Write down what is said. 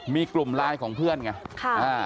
มีกลุ่มไลน์ของเพื่อนไง